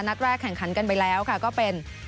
นัดแรกแข่งขันกันไปแล้วค่ะก็เป็น